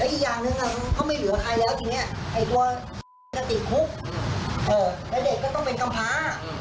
อีกอย่างหนึ่งเขาไม่เหลือใครแล้วทีนี้ไอ้ตัวจะติดคุกแล้วเด็กก็ต้องเป็นกำพา